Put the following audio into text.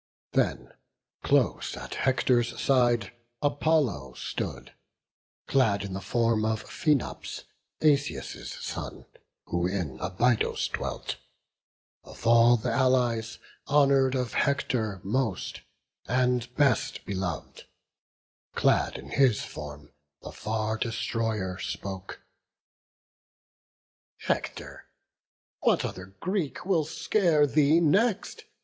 Then close at Hector's side Apollo stood, Clad in the form of Phaenops, Asius' son, Who in Abydos dwelt; of all th' Allies Honour'd of Hector most, and best belov'd; Clad in his form, the Far destroyer spoke: "Hector, what other Greek will scare thee next?